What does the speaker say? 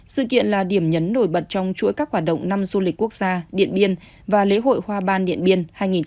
sự kiện là điểm nhấn nổi bật trong chuỗi các hoạt động năm du lịch quốc gia điện biên và lễ hội hoa ban điện biên hai nghìn một mươi chín